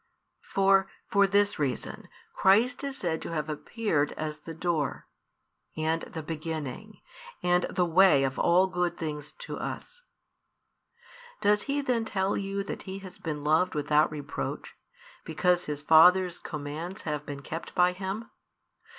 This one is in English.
For, for this reason, Christ is said to have appeared as the Door, and the Beginning, and the Way of all things good to us. Does He then tell you that He has been loved without reproach, because His Father's commands have been kept by Him?